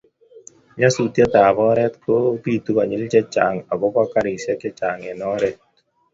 nyasusietab oret kobiitu konyil chechang agoba karishek chechang eng oret